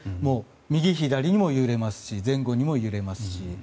右左にも揺れますし前後にも揺れますし。